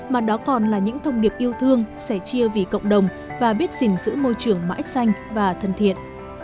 mà đó còn là những thông điệp yêu thương sẻ chia vì cộng đồng và biết gìn giữ môi trường mãi xanh và thân thiện